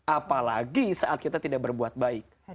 apalagi saat kita tidak berbuat baik